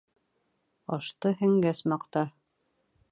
Ашты һеңгәс маҡта